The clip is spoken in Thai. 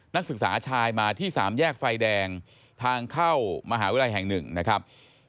นักศึกษาชายมาที่สามแยกไฟแดงทางเข้ามหาวิทยาลัยแห่งหนึ่งนะครับ